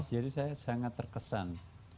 jadi saya sangat terkesan